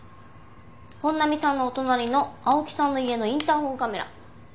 本並さんのお隣の青木さんの家のインターホンカメラ。